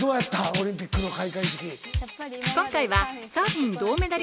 オリンピックの開会式。